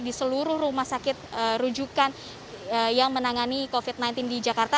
di seluruh rumah sakit rujukan yang menangani covid sembilan belas di jakarta